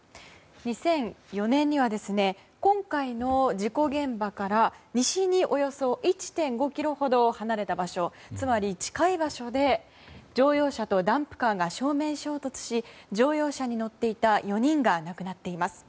２００４年には今回の事故現場から西におよそ１．５ｋｍほど離れた場所つまり近い場所で乗用車とダンプカーが正面衝突し、乗用車に乗っていた４人が亡くなっています。